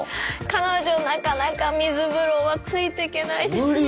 彼女なかなか水風呂はついてけないですね。